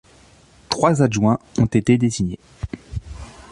Trois adjoints ont été désignés.